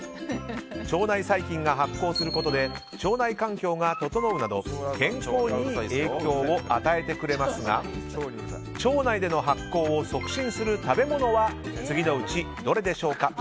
腸内細菌が発酵することで腸内環境が整うなど健康にいい影響を与えてくれますが腸内での発酵を促進する食べ物は次のうちどれでしょうか？